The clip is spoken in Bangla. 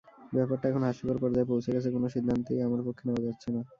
ব্যাপারটা এখন হাস্যকর পর্যায়ে পৌঁছে গেছে, কোনো সিদ্ধান্তই আমাদের পক্ষে যাচ্ছে না।